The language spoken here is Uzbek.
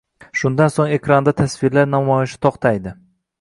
Shundan so‘ng ekranda tasvirlar namoyishi to‘xtaydi.